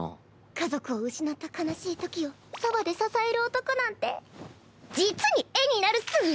家族を失った悲しいときをそばで支える男なんて実に絵になるっス！